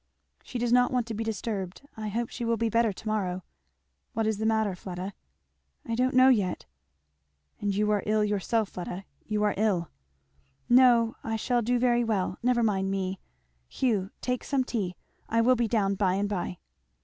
"She does not want to be disturbed I hope she will be better to morrow." "What is the matter, Fleda?" "I don't know yet." "And you are ill yourself, Fleda! you are ill! " "No I shall do very well never mind me. Hugh, take some tea I will be down by and by."